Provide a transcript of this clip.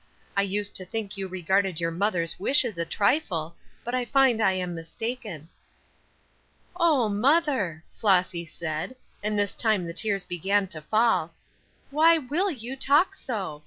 I used to think you regarded your mother's wishes a trifle, but I find I am mistaken." "Oh, mother!" Flossy said, and this time the tears began to fall, "why will you talk so?